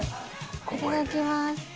いただきます。